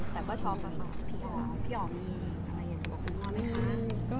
แต่ก็ชอบกับพี่อ๋อมพี่อ๋อมมีอะไรอย่างนี้บอกมาไหมคะ